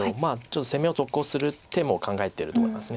ちょっと攻めを続行する手も考えてると思います。